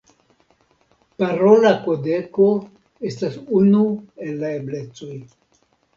Parola kodeko estas unu el la eblecoj.